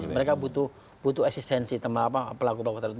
mereka butuh eksistensi pelaku tersebut